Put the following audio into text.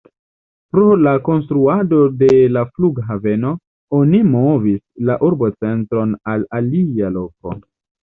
Pro la konstruado de la flughaveno, oni movis la urbocentron al alia loko.